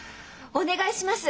お願いします。